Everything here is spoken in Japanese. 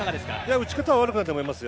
打ち方は悪くないと思いますよ。